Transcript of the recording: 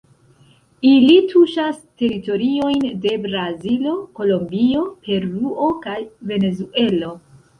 Ili tuŝas teritoriojn de Brazilo, Kolombio, Peruo kaj Venezuelo.